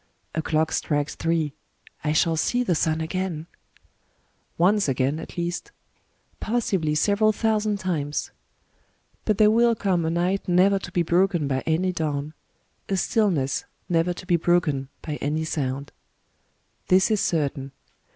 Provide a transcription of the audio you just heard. ... A clock strikes three! I shall see the sun again ! Once again, at least. Possibly several thousand times. But there will come a night never to be broken by any dawn, — a stillness never to be broken by any sound. This is certain.